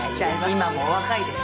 今もお若いです。